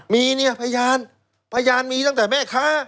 มีเนี่ยพยานพยานมีตั้งแต่แม่ค้า